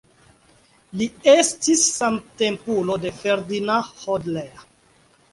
Li estis samtempulo de Ferdinand Hodler.